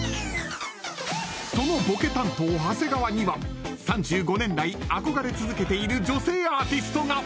そのボケ担当、長谷川には３５年来憧れ続けている女性アーティストが。